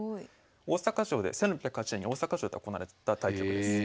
で１６０８年に大阪城で行われた対局です。